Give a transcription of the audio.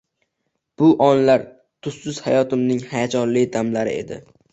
Bu onlar tussiz hayotimning hayajonli damlari edi